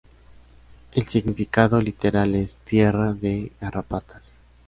El significado literal es "tierra de garrapatas".